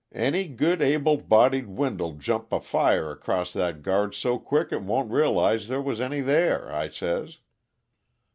'Any good, able bodied wind'll jump a fire across that guard so quick it won't reelize there was any there,' I says.